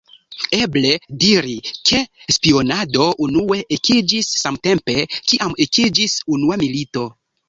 Eble diri, ke spionado unue ekiĝis samtempe, kiam ekiĝis unua milito.